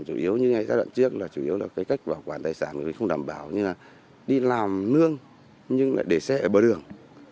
chủ yếu như ngay giai đoạn trước là chủ yếu là cái cách bảo quản tài sản vì không đảm bảo như là đi làm nương nhưng lại để xe ở bờ đường